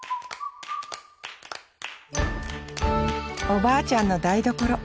おばあちゃんの台所。